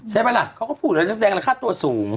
ใช่ไหมล่ะเขาก็พูดว่านักแสดงอะไรค่าตัวสูง